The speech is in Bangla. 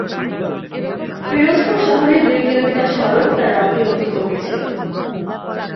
পিরোজপুর শহরের দুই কিলোমিটার সড়ক তাঁর রক্তে রঞ্জিত হয়েছিল।